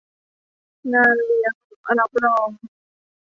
งานเลี้ยงรับรอง